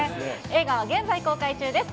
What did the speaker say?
映画は現在公開中です。